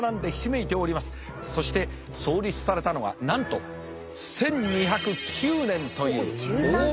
そして創立されたのはなんと１２０９年という大昔です。